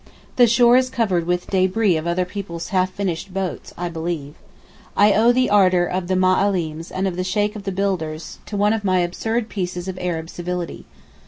The shore is covered with débris of other people's half finished boats I believe. I owe the ardour of the Ma allims and of the Sheykh of the builders to one of my absurd pieces of Arab civility.